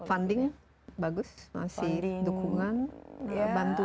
panding bagus masih dukungan bantuan